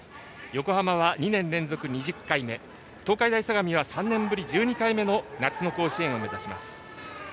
横浜は２年連続２０回目東海大相模は３年ぶり１２回目の夏の甲子園を目指します。